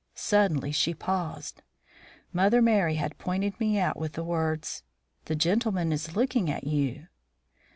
Suddenly she paused. Mother Merry had pointed me out with the words: "The gentleman is looking at you."